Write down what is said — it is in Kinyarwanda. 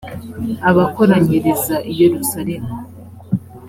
abakoranyiriza i yerusalemu .